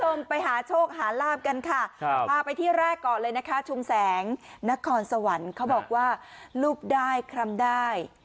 คุณผู้ชมไปหาโชคหาลาบกันค่ะพาไปที่แรกก่อนเลยนะคะชุมแสงนครสวรรค์เขาบอกว่ารูปได้คลำได้